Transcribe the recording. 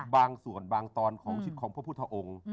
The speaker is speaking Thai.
บางส่วนบางตอนของชิดของพระพุทธองค์